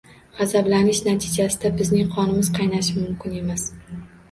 G’azablanish natijasida bizning qonimiz qaynashi mumkin emas.